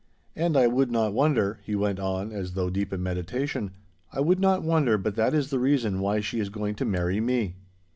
And I would not wonder,' he went on, as though deep in meditation, 'I would not wonder but that is the reason why she is going to marry me.